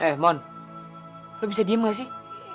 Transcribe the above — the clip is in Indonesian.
eh mohon lo bisa diem gak sih